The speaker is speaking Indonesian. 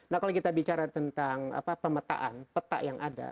nah kalau kita bicara tentang pemetaan peta yang ada